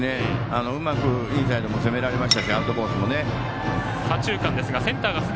インサイドも攻められました。